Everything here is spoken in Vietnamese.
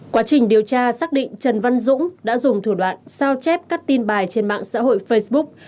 quá trình điều tra xác định trần văn dũng đã dùng thủ đoạn sao chép các tin bài trên mạng xã hội facebook